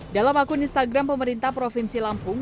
dalam akun instagram pemerintah provinsi lampung